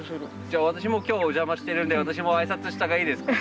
じゃあ私も今日お邪魔してるんで私も挨拶した方がいいですか？